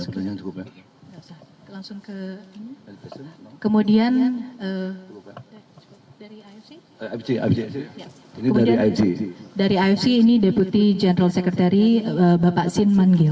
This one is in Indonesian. kemudian dari afc ini deputi general secretary bapak sin manggil